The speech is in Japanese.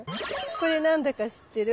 これ何だか知ってる？